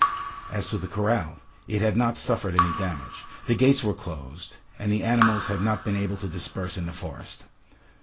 As to the corral, it had not suffered any damage. The gates were closed, and the animals had not been able to disperse in the forest.